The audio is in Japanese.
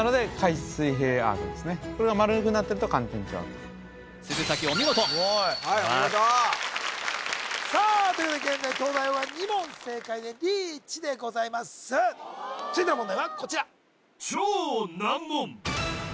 これが丸くなってると鶴崎お見事はいお見事さあということで現在東大王は２問正解でリーチでございます続いての問題はこちら